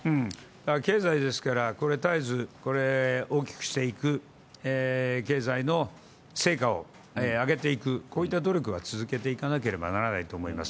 経済ですから絶えず大きくしていく経済の成果を上げていくこういった努力は続けていかなければいけないと思います。